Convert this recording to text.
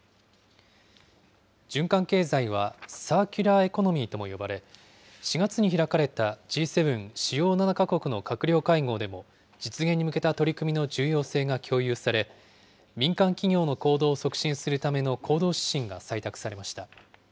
循環経済はサーキュラー・エコノミーとも呼ばれ、４月に開かれたＧ７・主要７か国の閣僚会合でも実現に向けた取り組みの重要性が共有され、民間企業の行動を促進するための行動指針が採択されました。